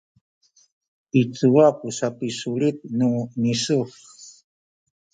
i cuwa ku sapisulit nu misu?